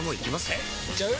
えいっちゃう？